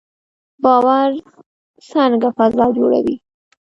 باور څنګه فضا جوړوي؟